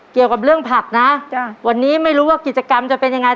เกี่ยวกับเรื่องผักนะจ้ะวันนี้ไม่รู้ว่ากิจกรรมจะเป็นยังไง